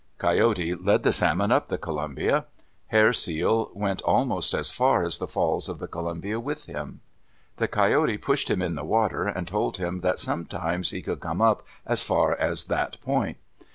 Coyote led the salmon up the Columbia. Hair Seal went almost as far as the Falls of the Columbia with him. The Coyote pushed him in the water and told him that sometimes he could come up as far as that point.